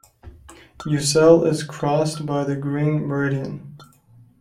Ussel is crossed by the Green Meridian.